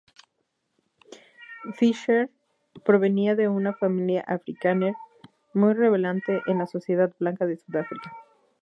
Fischer provenía de una familia afrikáner muy relevante en la sociedad blanca de Sudáfrica.